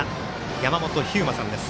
山本飛雄馬さんです。